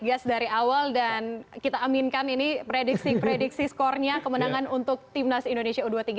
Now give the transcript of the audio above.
gas dari awal dan kita aminkan ini prediksi prediksi skornya kemenangan untuk timnas indonesia u dua puluh tiga